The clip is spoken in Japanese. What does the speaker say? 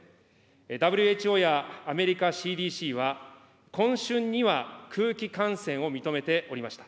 ＷＨＯやアメリカＣＤＣは、今春には空気感染を認めておりました。